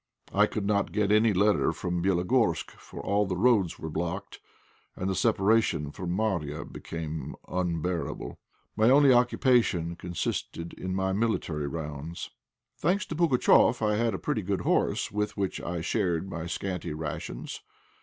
I could not get any letter from Bélogorsk, for all the roads were blocked, and the separation from Marya became unbearable. My only occupation consisted in my military rounds. Thanks to Pugatchéf, I had a pretty good horse, with which I shared my scanty rations.